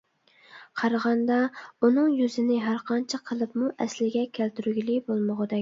قارىغاندا ئۇنىڭ يۈزىنى ھەرقانچە قىلىپمۇ ئەسلىگە كەلتۈرگىلى بولمىغۇدەك.